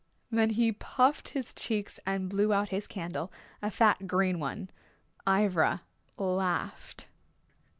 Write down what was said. Then he puffed his cheeks and blew out his candle, a fat green one. Ivra laughed.